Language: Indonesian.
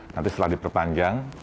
nanti setelah diperpanjang